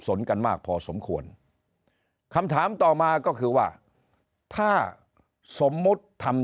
นกันมากพอสมควรคำถามต่อมาก็คือว่าถ้าสมมุติทำ